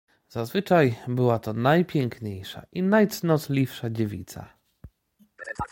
"Zazwyczaj była to najpiękniejsza i najcnotliwsza dziewica."